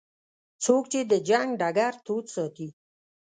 څوک چې د جنګ ډګر تود ساتي.